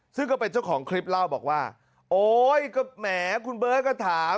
ซึ่งก็เป็นเจ้าของคลิปเล่าบอกว่าโอ๊ยก็แหมคุณเบิร์ตก็ถาม